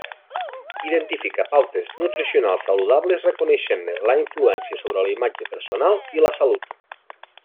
Identifica pautes nutricionals saludables reconeixent-ne la influència sobre la imatge personal i la salut.